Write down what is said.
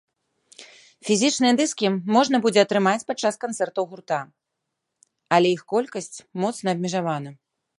Фізічныя дыскі можна будзе атрымаць падчас канцэртаў гурта, але іх колькасць моцна абмежавана.